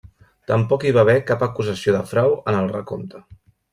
Tampoc hi va haver cap acusació de frau en el recompte.